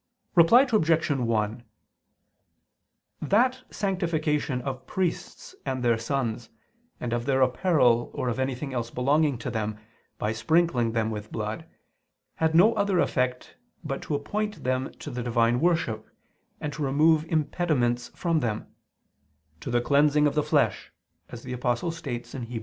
Reply Obj. 1: That sanctification of priests and their sons, and of their apparel or of anything else belonging to them, by sprinkling them with blood, had no other effect but to appoint them to the divine worship, and to remove impediments from them, "to the cleansing of the flesh," as the Apostle states (Heb.